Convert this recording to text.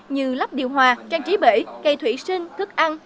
như lắp điều hòa trang trí bể cây thủy sinh thức ăn